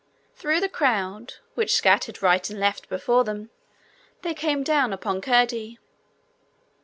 Through the crowd, which scattered right and left before them, they came down upon Curdie.